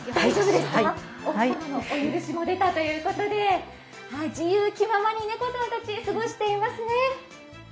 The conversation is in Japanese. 奥さまのお許しも出たということで自由気ままに猫ちゃんたち過ごしていますね。